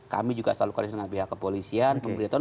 kami juga selalu kohesion dengan pihak kepolisian pemerintah